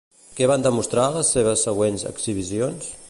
Què van demostrar les seves següents exhibicions?